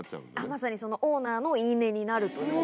まさにそのオーナーの言い値になるという。